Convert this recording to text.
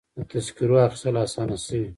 د تذکرو اخیستل اسانه شوي؟